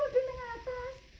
budi enggak ada